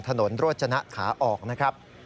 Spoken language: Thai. ถนนโรจนะขาออกนะครับ